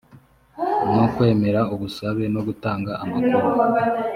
no kwemera ubusabe no gutanga amakuru